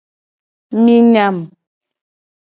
Mi nyam.